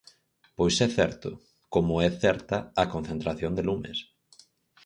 Pois é certo, como é certa a concentración de lumes.